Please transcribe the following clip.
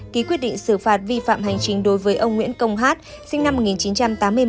ký quyết định xử phạt vi phạm hành chính đối với ông nguyễn công hát sinh năm một nghìn chín trăm tám mươi một